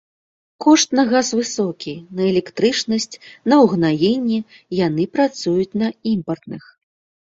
Кошт на газ высокі, на электрычнасць, на ўгнаенні, яны працуюць на імпартных.